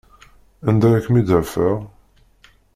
Anda ara kem-id-afeɣ?